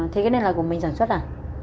thế cái này là của mình sản xuất à